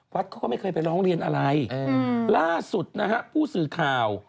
เขาก็ไม่เคยไปร้องเรียนอะไรล่าสุดนะฮะผู้สื่อข่าว